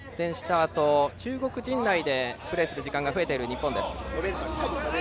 あと中国陣内でプレーする時間が増えている日本。